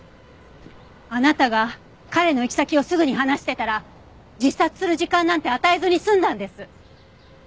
あなたが彼の行き先をすぐに話してたら自殺する時間なんて与えずに済んだんです！